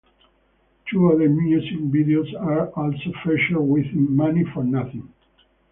Two other music videos are also featured within "Money for Nothing".